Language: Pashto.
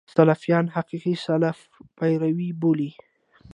سلفیان حقیقي سلف پیرو بولي.